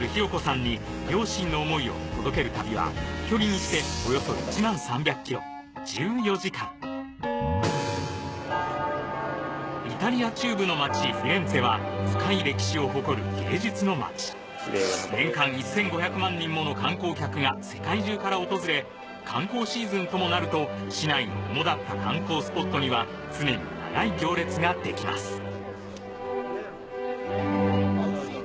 距離にしてイタリア中部の町フィレンツェは深い歴史を誇る芸術の町年間１５００万人もの観光客が世界中から訪れ観光シーズンともなると市内の主だった観光スポットには常に長い行列ができます